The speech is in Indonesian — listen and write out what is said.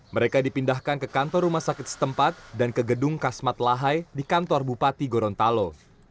mereka dipindahkan ke kantor rumah sakit setempat dan ke gedung kasmat lahai di kantor bupati gorontalo